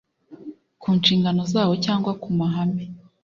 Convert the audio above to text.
ku nshingano zawo cyangwa ku mahame